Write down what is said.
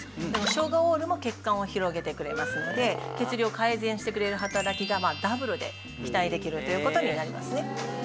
ショウガオールも血管を広げてくれますので血流を改善してくれる働きがダブルで期待できるという事になりますね。